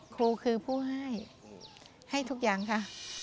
ครูคือผู้ให้ให้ทุกอย่างค่ะ